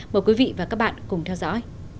mời quý vị và các bạn cùng theo dõi